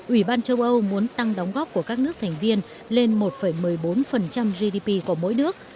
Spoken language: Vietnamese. ủy ban châu âu muốn tăng đóng góp của các nước thành viên lên một một mươi bốn gdp của mỗi nước